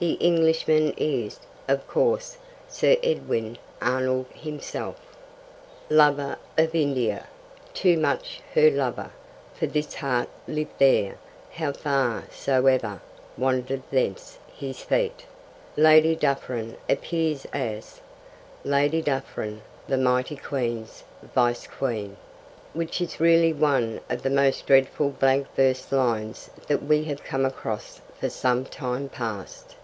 The Englishman is, of course, Sir Edwin Arnold himself: lover of India, Too much her lover! for his heart lived there How far soever wandered thence his feet. Lady Dufferin appears as Lady Duffreen, the mighty Queen's Vice queen! which is really one of the most dreadful blank verse lines that we have come across for some time past.